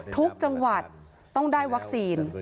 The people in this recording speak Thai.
ทุกจังหวัดต้องได้วัคซีน